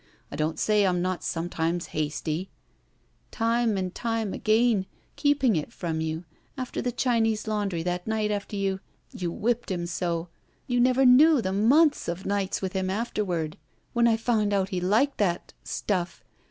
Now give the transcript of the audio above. I don't say I'm not some times hasty —" "Time and time again — ^keeping it in from you — after the Chinese laundry that night after you — ^you whipped him sc^you never knew the months of nights with him afterward — ^when I found out he liked that — stuff!